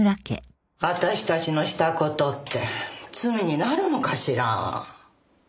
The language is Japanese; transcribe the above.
私たちのした事って罪になるのかしら？